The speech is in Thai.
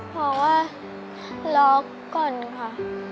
บอกว่ารอกก่อนค่ะ